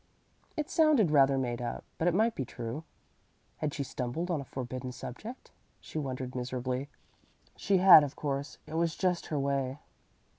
It sounded rather made up, but it might be true. Had she stumbled on a forbidden subject? she wondered miserably. She had, of course; it was just her way.